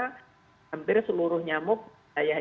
hampir seluruh nyamuk daya itu